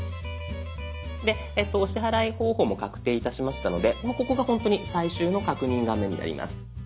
でお支払い方法も確定いたしましたのでもうここがほんとに最終の確認画面になります。